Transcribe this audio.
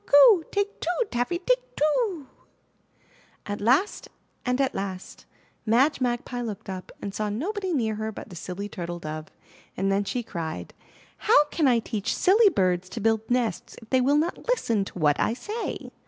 Coo! Take two, Taffy, take two o o o 1" 176 IN THE NURSERY At last and at last, Madge Magpie looked up and saw nobody near her but the silly Turtle Dove, and then she cried: *'How can I teach silly birds to build nests if they will not listen to what I say?'